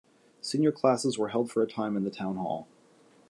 Senior classes were held for a time in the Town Hall.